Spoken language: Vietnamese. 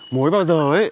mối bao giờ ấy